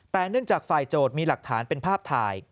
แต่เนื่องจากฝ่ายโจทย์มีหลักฐานเป็นภาพถ่าย